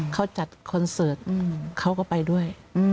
เขาจัดคอนเสิร์ตเขาก็ไปด้วย